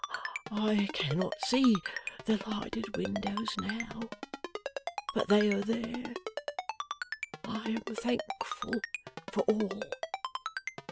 I cannot see the lighted windows now, but they are there. I am thankful for all!